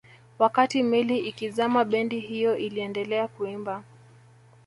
wakati meli ikizama bendi hiyo iliendelea kuimba